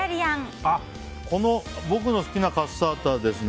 僕の好きなカッサータですね